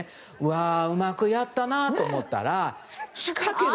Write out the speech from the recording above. うまくやったなと思ったら仕掛けが。